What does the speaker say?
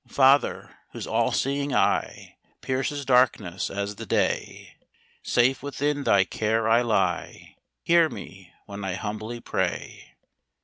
Father, whose all seeing eye Pierces darkness as the day; ■Safe within thy care I lie, Hear me, when I humbly pray.